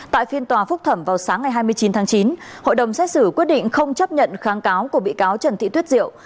tại phiên tòa phúc thẩm vào sáng ngày hai mươi chín tháng chín hội đồng xét xử quyết định không chấp nhận kháng cáo của bị cáo trần thị tuyết diệu